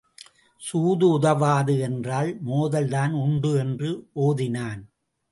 சூது உதவாது என்றால் மோதல் தான் உண்டு என்று ஒதினான்.